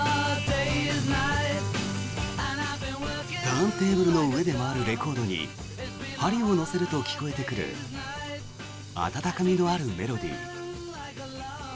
ターンテーブルの上で回るレコードに針を乗せると聴こえてくる温かみのあるメロディー。